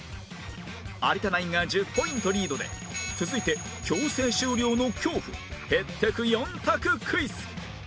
有田ナインが１０ポイントリードで続いて強制終了の恐怖へってく４択クイズ